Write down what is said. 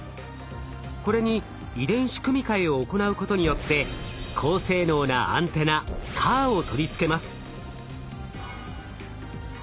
これに遺伝子組み換えを行うことによって高性能なアンテナＣＡＲを取り付けます。